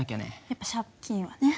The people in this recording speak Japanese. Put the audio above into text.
やっぱ借金はね。